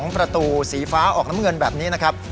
ประตูสีฟ้าออกน้ำเงินแบบนี้นะครับ